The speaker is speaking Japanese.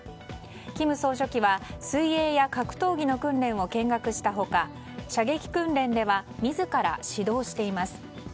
金総書記は、水泳や格闘技の訓練を見学した他射撃訓練では自ら指導しています。